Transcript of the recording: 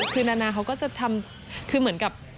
คือนานาเขาก็จะทำคือเหมือนกับ